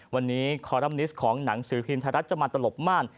วันนี้คอลัมนิสของหนังสือภิมธรรมตลกม่าน